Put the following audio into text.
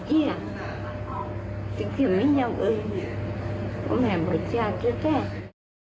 จริงไม่ยอมเอ่ยมันแห่งบทชาติก็แค่